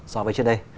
so với trước đây